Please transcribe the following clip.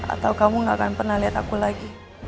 atau kamu gak akan pernah lihat aku lagi